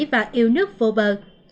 và yêu nước vô bờ